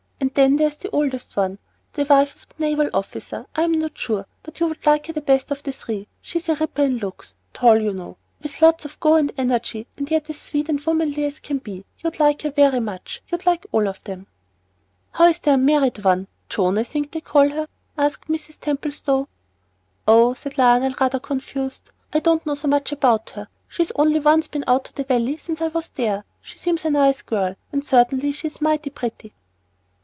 And there's the oldest one the wife of the naval officer, I'm not sure but you would like her the best of the three. She's a ripper in looks, tall, you know, with lots of go and energy, and yet as sweet and womanly as can be; you'd like her very much, you'd like all of them." "How is the unmarried one? Joan, I think they call her," asked Mrs. Templestowe. "Oh!" said Lionel, rather confused, "I don't know so much about her. She's only once been out to the valley since I was there. She seems a nice girl, and certainly she's mighty pretty."